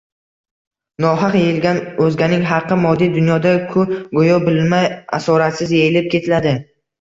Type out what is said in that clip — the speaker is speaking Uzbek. Nohaq yeyilgan o‘zganing haqi moddiy dunyoda-ku go‘yo bilinmay, asoratsiz yeyilib ketiladi.